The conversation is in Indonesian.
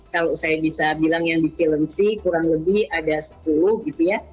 kalau saya bisa bilang yang di chelensi kurang lebih ada sepuluh gitu ya